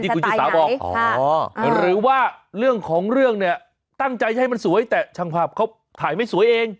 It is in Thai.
คุณชิสาบอกหรือว่าเรื่องของเรื่องเนี่ยตั้งใจให้มันสวยแต่ช่างภาพเขาถ่ายไม่สวยเอง